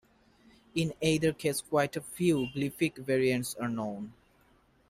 In either case quite a few glyphic variants are known.